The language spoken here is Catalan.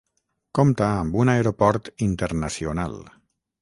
Compta amb un aeroport internacional.